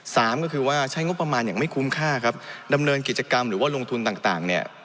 สามก็คือว่าใช้งบประมาณอย่างไม่คุ้มค่าครับดำเนินกิจกรรมหรือว่าลงทุนต่างต่างเนี่ย